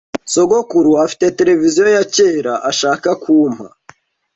Sogokuru afite televiziyo ya kera ashaka kumpa.